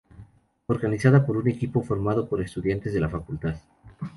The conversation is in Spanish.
Organizada por un equipo formado por estudiantes de la facultad.